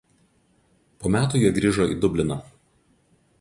Po metų jie grįžo į Dubliną.